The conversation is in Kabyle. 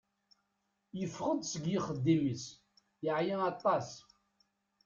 Yeffeɣ-d seg yixeddim-is, yeɛya atas.